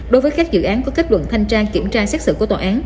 đối với các dự án có kết luận thanh tra kiểm tra xét xử của tòa án